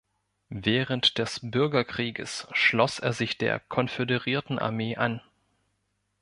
Während des Bürgerkrieges schloss er sich der Konföderiertenarmee an.